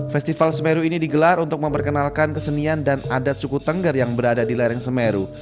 festival semeru ini digelar untuk memperkenalkan kesenian dan adat suku tengger yang berada di lereng semeru